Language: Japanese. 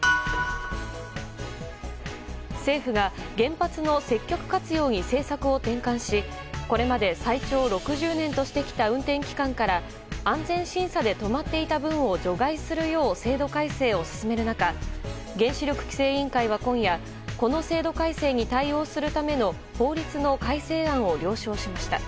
政府が原発の積極活用に政策を転換しこれまで最長６０年としてきた運転期間から安全審査で止まっていた分を除外するよう制度改正を進める中原子力規制委員会は今夜この制度改正に対応するための法律の改正案を了承しました。